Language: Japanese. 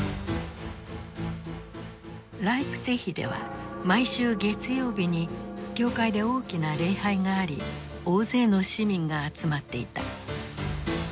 ライプツィヒでは毎週月曜日に教会で大きな礼拝があり大勢の市民が集まっていた。